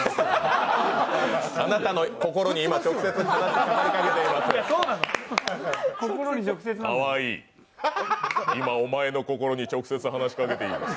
あなたの心に今、直接話しかけています。